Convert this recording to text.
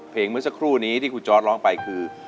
เมื่อสักครู่นี้ที่คุณจอร์ดร้องไปคือ